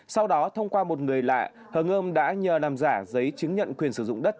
sau đó thông qua một người lạ hương ươm đã nhờ làm giả dây chứng nhận quyền sử dụng đất